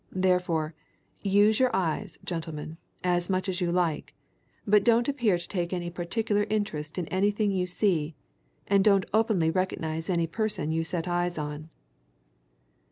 Therefore, use your eyes, gentlemen, as much as you like but don't appear to take any particular interest in anything you see, and don't openly recognize any person you set eyes on."